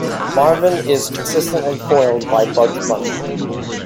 Marvin is consistently foiled by Bugs Bunny.